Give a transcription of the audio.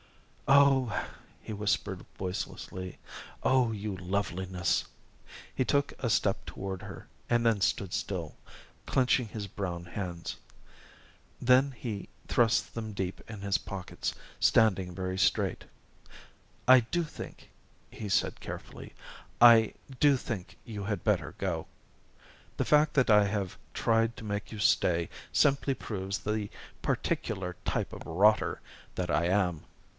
"Oh," he whispered voicelessly. "Oh, you Loveliness!" He took a step toward her, and then stood still, clinching his brown hands. Then he thrust them deep in his pockets, standing very straight. "I do think," he said carefully, "I do think you had better go. The fact that I have tried to make you stay simply proves the particular type of rotter that I am.